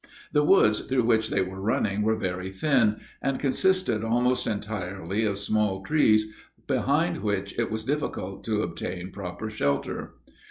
The woods through which they were running were very thin, and consisted almost entirely of small trees, behind which, it was difficult to obtain proper shelter.